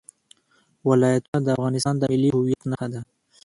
ولایتونه د افغانستان د ملي هویت نښه ده.